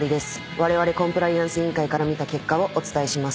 われわれコンプライアンス委員会から見た結果をお伝えします。